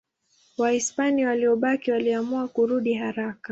Wahispania waliobaki waliamua kurudi haraka.